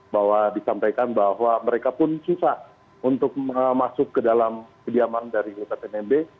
bahwa disampaikan bahwa mereka pun susah untuk masuk ke dalam kediaman dari lukas nmb